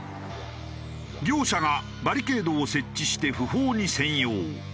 業者がバリケードを設置して不法に占用。